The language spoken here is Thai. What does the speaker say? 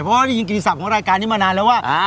เพราะว่าพี่กินกินสับของรายการนี้มานานแล้วว่าอ่า